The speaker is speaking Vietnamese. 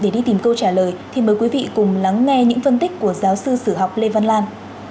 để đi tìm câu trả lời thì mời quý vị cùng lắng nghe những phân tích của giáo sư sử học lê văn lan